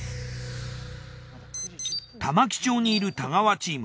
玉城町にいる太川チーム。